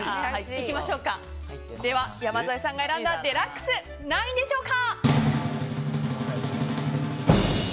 では山添さんが選んだデラックス、何位でしょうか。